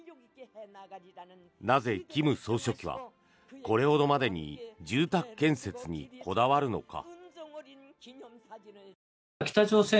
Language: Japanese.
なぜ、金総書記はこれほどまでに住宅建設にこだわるのか。